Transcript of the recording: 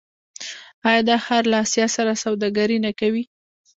آیا دا ښار له اسیا سره سوداګري نه کوي؟